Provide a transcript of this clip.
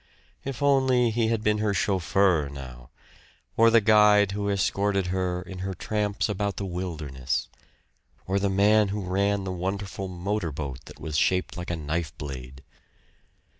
If only he had been her chauffeur, now! Or the guide who escorted her in her tramps about the wilderness! Or the man who ran the wonderful motor boat that was shaped like a knife blade!